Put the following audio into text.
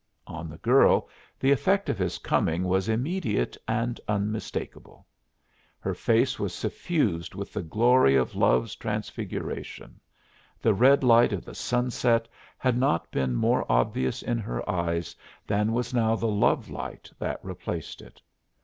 On the girl the effect of his coming was immediate and unmistakable. Her face was suffused with the glory of love's transfiguration: the red light of the sunset had not been more obvious in her eyes than was now the lovelight that replaced it.